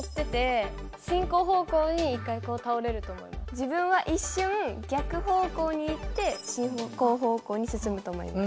自分は一瞬逆方向に行って進行方向に進むと思います。